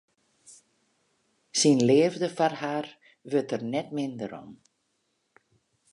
Syn leafde foar har wurdt der net minder om.